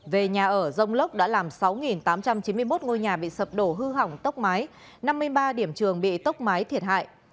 về nhà ở rông lốc đã làm sáu tám trăm chín mươi một ngôi nhà bị sập đổ hư hỏng tốc mái năm mươi ba điểm trường bị tốc mái thiệt hại